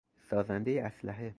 سازندهی اسلحه